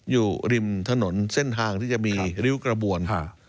อยู่ริมถนนเส้นทางที่จะมีริ้วกระบวน